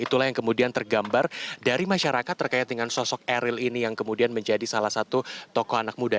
itulah yang kemudian tergambar dari masyarakat terkait dengan sosok eril ini yang kemudian menjadi salah satu tokoh anak muda